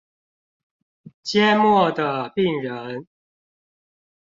緘默的病人